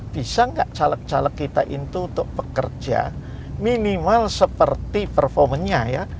bisa enggak caleg caleg kita itu untuk pekerja minimal seperti performenya ya